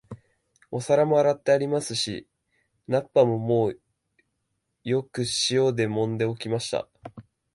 お皿も洗ってありますし、菜っ葉ももうよく塩でもんで置きました